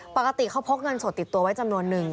ปกติเขาพกเงินสดติดตัวไว้จำนวนนึง